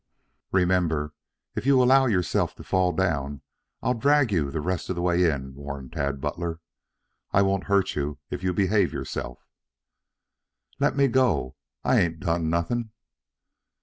"Remember if you allow yourself to fall down I'll drag you the rest of the way in," warned Tad Butler. "I won't hurt you if you behave yourself." "Le le let me go. I I I I aint't done n n nothing."